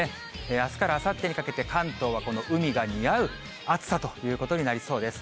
あすからあさってにかけて、関東はこの海が似合う暑さということになりそうです。